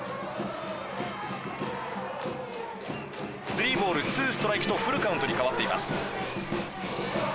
スリーボールツーストライクとフルカウントに変わっています。